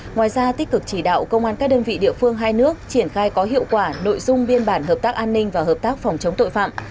ngoài ra tích cực chỉ đạo công an các đơn vị địa phương hai nước triển khai có hiệu quả nội dung biên bản hợp tác an ninh và hợp tác phòng chống tội phạm